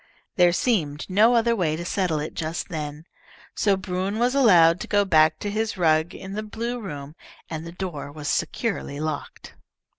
There seemed no other way to settle it just then, so Bruin was allowed to go back to his rug in the blue room, and the door was securely locked.